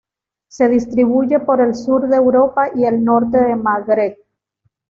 Se distribuye por el sur de Europa y el norte del Magreb.